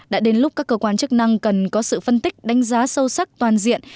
đã đến lúc các cơ quan chức năng cần có sự phân tích đánh giá sâu sắc toàn diện